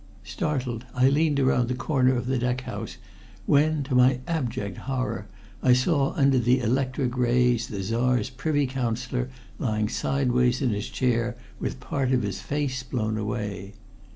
Startled, I leaned around the corner of the deck house, when, to my abject horror, I saw under the electric rays the Czar's Privy Councillor lying sideways in his chair with part of his face blown away.